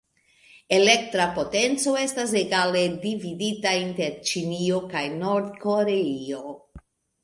Elektra potenco estas egale dividita inter Ĉinio kaj Nord-Koreio.